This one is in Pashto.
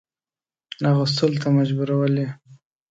اغوستلو ته مجبورولې.